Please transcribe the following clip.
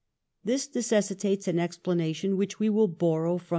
This necessitates an expla nation which we will borrow from M.